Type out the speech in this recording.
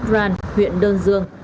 ran huyện đơn dương